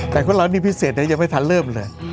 แต่ของเรานี่พิเศษยังไม่ทันเริ่มเลย